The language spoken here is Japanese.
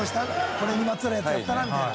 これにまつわるやつやったなみたいな。